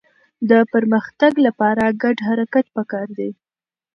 د پرمختګ لپاره ګډ حرکت پکار دی.